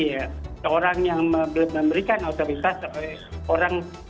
jadi orang yang memberikan otoritas orang